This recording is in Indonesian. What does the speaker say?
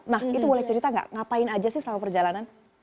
nah itu boleh cerita nggak ngapain aja sih selama perjalanan